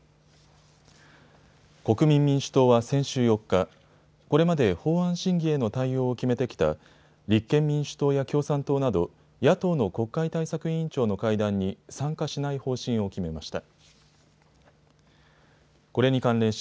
国民民主党は先週４日、これまで法案審議への対応を決めてきた立憲民主党や共産党など野党の国会対策委員長の会談に参加しない方針を決めました。